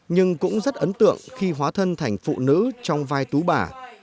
nhưng cũng rất ấn tượng khi hóa thân thành phụ nữ trong vai tú bà